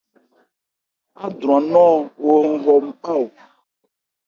Ádwran nɔn o hɔn hɔ npá.